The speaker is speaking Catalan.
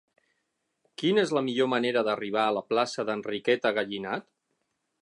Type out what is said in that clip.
Quina és la millor manera d'arribar a la plaça d'Enriqueta Gallinat?